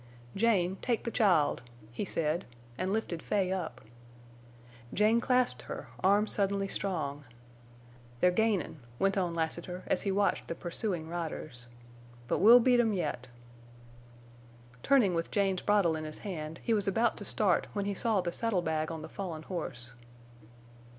"Jane, take the child," he said, and lifted Fay up. Jane clasped her arms suddenly strong. "They're gainin'," went on Lassiter, as he watched the pursuing riders. "But we'll beat 'em yet." Turning with Jane's bridle in his hand, he was about to start when he saw the saddle bag on the fallen horse.